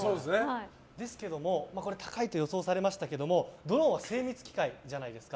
ですけども高いと予想されましたけどもドローンは精密機械じゃないですか。